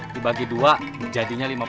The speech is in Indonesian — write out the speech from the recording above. dibagi dua jadinya lima puluh